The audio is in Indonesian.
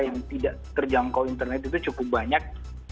yang tidak terjangkau internet itu cukup banyak